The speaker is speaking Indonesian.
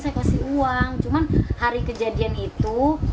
saya kasih uang cuma hari kejadian itu